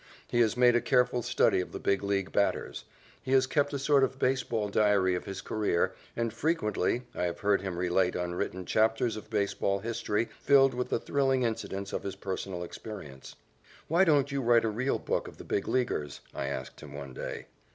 He has made a careful study of the Big League batters. He has kept a sort of baseball diary of his career, and, frequently, I have heard him relate unwritten chapters of baseball history filled with the thrilling incidents of his personal experience. "Why don't you write a real book of the Big Leaguers?" I asked him one day.